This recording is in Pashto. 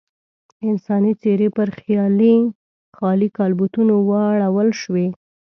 انساني څېرې پر خالي کالبوتونو واړول شوې.